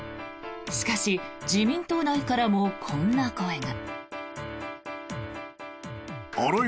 しかし、自民党内からもこんな声が。